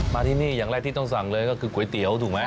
มาที่นี่อย่างแรกที่ต้องสั่งเลยก็คือก๋วยเตี๋ยวถูกไหม